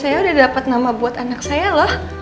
saya sama suami saya udah dapat nama buat anak saya loh